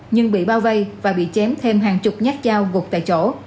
nhưng bị bao vây và bị chém thêm hàng chục nhát dao gục tại chỗ